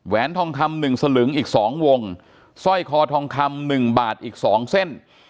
แหวนทองคำ๑สลึงอีก๒วงสร้อยคอทองคำ๑บาทอีก๒เส้น